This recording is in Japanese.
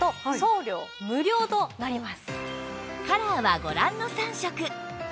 カラーはご覧の３色